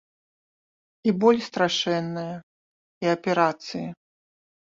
І боль страшэнная, і аперацыі.